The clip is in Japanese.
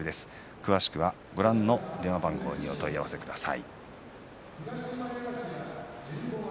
詳しくはご覧の電話番号にお問い合わせください。